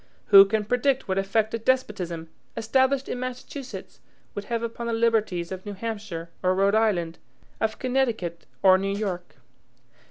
Who can predict what effect a despotism, established in Massachusetts, would have upon the liberties of New Hampshire or Rhode Island, of Connecticut or New York?